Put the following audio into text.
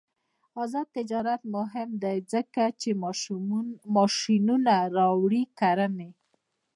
آزاد تجارت مهم دی ځکه چې ماشینونه راوړي کرنې.